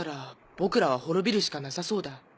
僕らは滅びるしかなさそうだ。